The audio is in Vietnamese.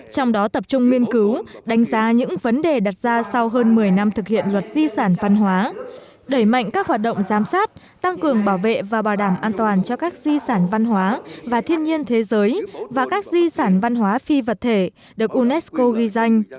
trong đó tập trung nghiên cứu đánh giá những vấn đề đặt ra sau hơn một mươi năm thực hiện luật di sản văn hóa đẩy mạnh các hoạt động giám sát tăng cường bảo vệ và bảo đảm an toàn cho các di sản văn hóa và thiên nhiên thế giới và các di sản văn hóa phi vật thể được unesco ghi danh